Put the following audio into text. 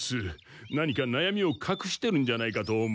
何かなやみをかくしてるんじゃないかと思うんだ。